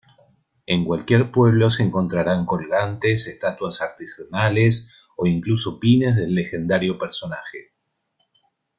En cualquier pueblo se encontrarán colgantes, estatuas artesanales o incluso pines del legendario personaje.